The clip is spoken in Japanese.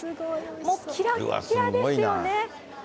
もうきらっきらっですよね。